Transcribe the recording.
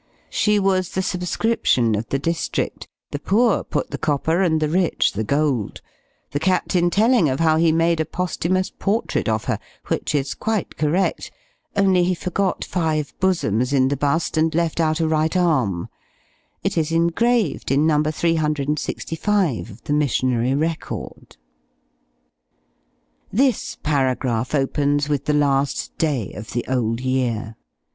She was the subscription of the district the poor put the copper and the rich the gold; the Captain telling of how he made a posthumous portrait of her, which is quite correct; only he forgot five bosoms in the bust, and left out a right arm: it is engraved in No. 365 of the "Missionary Record." This paragraph opens with the last day of the old year.